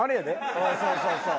そうそうそうそう。